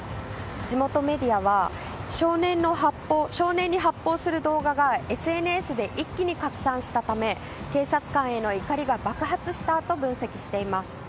地元メディアは少年に発砲する動画がＳＮＳで一気に拡散したため警察官への怒りが爆発したと分析しています。